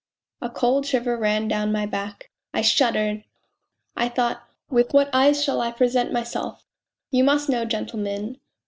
A cold shiver ran down my back; I shuddered ! I thought with what eyes shall I present myself you must know, gentlemen